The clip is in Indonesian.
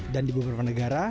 dan di beberapa negara